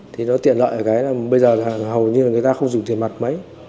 thì nó tiện lợi ở cái là bây giờ là hầu như là người ta không dùng tiền mặt mấy